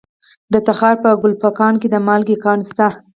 د تخار په کلفګان کې د مالګې کان شته.